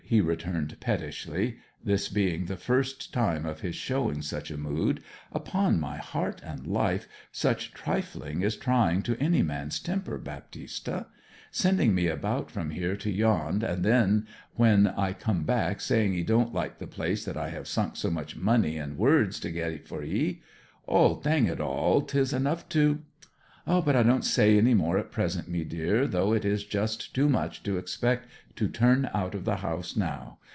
he returned pettishly (this being the first time of his showing such a mood). 'Upon my heart and life such trifling is trying to any man's temper, Baptista! Sending me about from here to yond, and then when I come back saying 'ee don't like the place that I have sunk so much money and words to get for 'ee. 'Od dang it all, 'tis enough to But I won't say any more at present, mee deer, though it is just too much to expect to turn out of the house now.